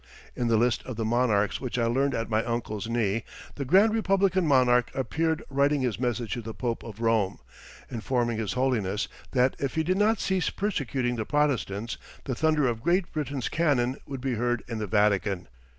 In the list of the monarchs which I learned at my uncle's knee the grand republican monarch appeared writing his message to the Pope of Rome, informing His Holiness that "if he did not cease persecuting the Protestants the thunder of Great Britain's cannon would be heard in the Vatican."